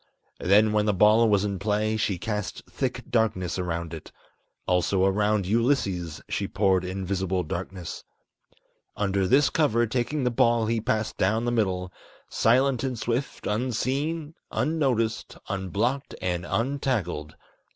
Then when the ball was in play, she cast thick darkness around it. Also around Ulysses she poured invisible darkness. Under this cover, taking the ball he passed down the middle, Silent and swift, unseen, unnoticed, unblocked, and untackled.